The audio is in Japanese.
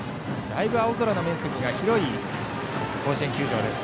だいぶ青空の面積が広い甲子園球場です。